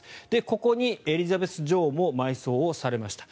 ここにエリザベス女王も埋葬されました。